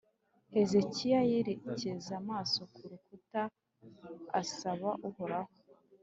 Hezekiya yerekeza amaso ku rukuta asaba Uhoraho,